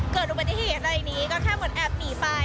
เกิดบันที่เขียนอะไรอย่างนี้ก็แค่เหมือนแอบหนีไป